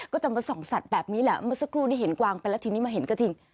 ก็จะมาส่องสัตว์แบบนี้แหละเมื่อสักครู่นี้เห็นกวางไปแล้วทีนี้มาเห็นกระทิง